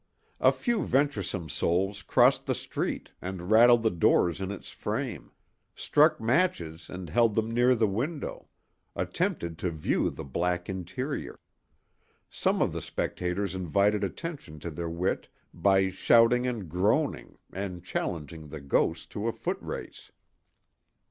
A few venturesome souls crossed the street and rattled the door in its frame; struck matches and held them near the window; attempted to view the black interior. Some of the spectators invited attention to their wit by shouting and groaning and challenging the ghost to a footrace.